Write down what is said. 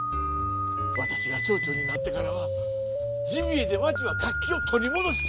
私が町長になってからはジビエで町は活気を取り戻して。